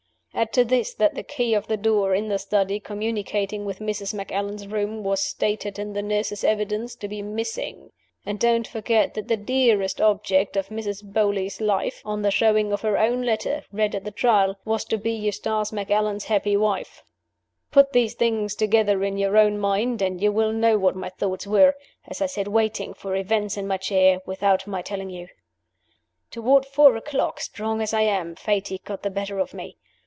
Add to this that the key of the door in the study, communicating with Mrs. Macallan's room, was stated in the nurse's evidence to be missing; and don't forget that the dearest object of Mrs. Beauly's life (on the showing of her own letter, read at the Trial) was to be Eustace Macallan's happy wife. Put these things together in your own mind, and you will know what my thoughts were, as I sat waiting for events in my chair, without my telling you. Toward four o'clock, strong as I am, fatigue got the better of me.